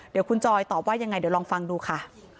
เดี๋ยวคุณจอยตอบว่ายังไงเดี๋ยวลองฟังดูค่ะ